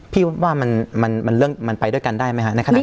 พี่ว่ามันไปด้วยกันได้ไหมฮะ